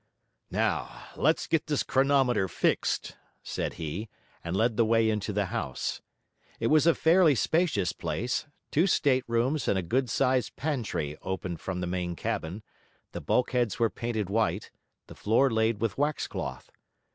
'Now let's get this chronometer fixed,' said he, and led the way into the house. It was a fairly spacious place; two staterooms and a good sized pantry opened from the main cabin; the bulkheads were painted white, the floor laid with waxcloth.